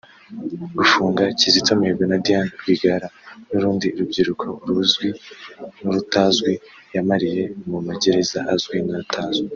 gufunga Kizito Mihigo na Diane Rwigara n’urundi rubyiruko uruzwi n’urutazwi yamariye mu magereza azwi n’atazwi